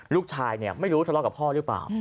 ลูกชายไม่รู้ทะเลาะกับพ่อหรือเปล่า